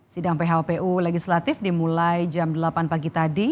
sidang phpu legislatif dimulai jam delapan pagi tadi